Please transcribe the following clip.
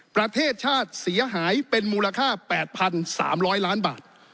ประเทศชาติเสียหายเป็นมูลค่า๘๓๐๐ล้านบาท